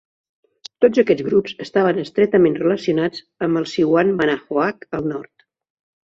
Tots aquests grups estaven estretament relacionats amb el Siouan Manahoac al nord.